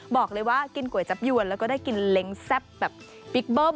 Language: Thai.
บอกเลยว่ากินก๋วยจับยวนแล้วก็ได้กินเล้งแซ่บแบบบิ๊กเบิ้ม